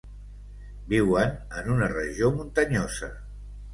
Viuen en una regió muntanyosa.